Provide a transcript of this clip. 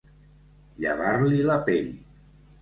Llevar-li la pell.